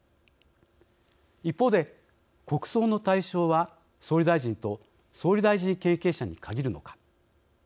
一方で、国葬の対象は総理大臣と総理大臣経験者に限るのか。